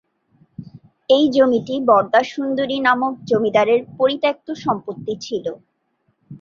এই জমিটি বরদা সুন্দরী নামক জমিদারের পরিত্যাক্ত সম্পত্তি ছিল।